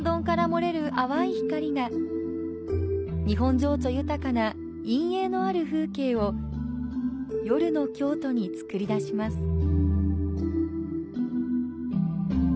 日本情緒豊かな陰影のある風景を夜の京都につくり出します。